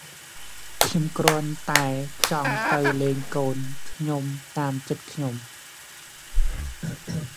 ខ្ញុំគ្រាន់តែចង់ទៅលេងកូនខ្ញុំតាមចិត្តខ្ញុំ ។